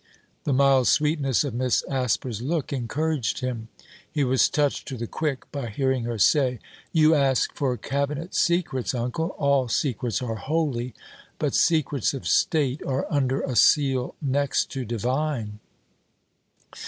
The mild sweetness of Miss Asper's look encouraged him. He was touched to the quick by hearing her say: 'You ask for Cabinet secrets, uncle. All secrets are holy, but secrets of State are under a seal next to divine.'